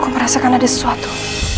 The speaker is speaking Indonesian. aku merasakan ada sesuatu